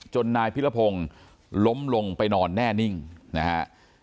นายพิรพงศ์ล้มลงไปนอนแน่นิ่งนะฮะ